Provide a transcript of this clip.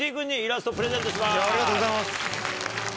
ありがとうございます。